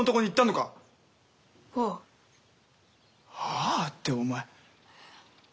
ああってお前。